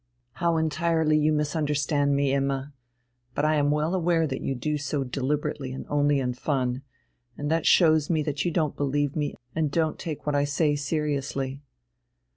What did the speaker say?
"How entirely you misunderstand me, Imma! But I am well aware that you do so deliberately and only in fun, and that shows me that you don't believe me and don't take what I say seriously...."